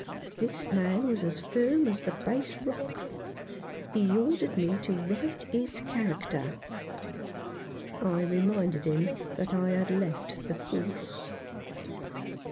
This man was as firm as the Bass Rock. He ordered me to right his character. I reminded him that I had left the Force.